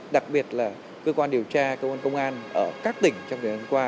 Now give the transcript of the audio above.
đặc biệt là cơ quan điều tra cơ quan công an ở các tỉnh trong thời gian qua